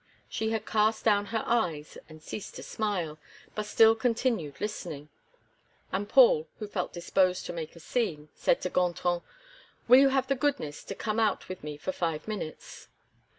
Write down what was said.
She had cast down her eyes, and ceased to smile, but still continued listening; and Paul, who felt disposed to make a scene, said to Gontran: "Will you have the goodness to come out with me for five minutes?"